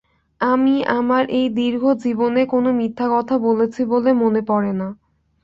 আমি আমার এই দীর্ঘ জীবনে কোনো মিথ্যা কথা বলেছি বলে মনে পড়ে না।